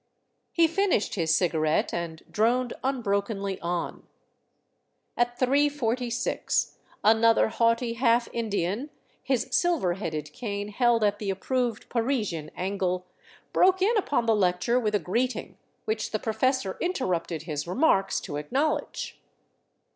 He finished his cigarette and droned unbrokenly on. At 3 146 another haughty half Indian, his silver headed cane held at the approved Parisian angle, broke in upon the lecture with a greeting, which the professor interrupted his remarks to acknowledge.